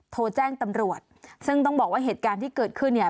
โทรแจ้งตำรวจซึ่งต้องบอกว่าเหตุการณ์ที่เกิดขึ้นเนี่ย